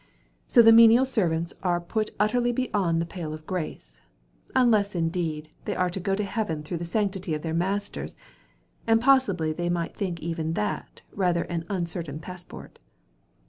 So the menial servants are put utterly beyond the pale of grace;—unless indeed, they are to go to heaven through the sanctity of their masters, and possibly they might think even that, rather an uncertain passport.